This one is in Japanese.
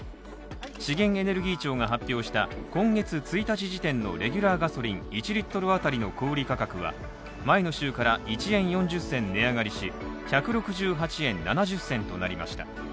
資源エネルギー庁が発表した今月１日時点のレギュラーガソリン１Ｌあたりの小売価格は前の週から１円４０銭値上がりし、１６８円７０銭となりました。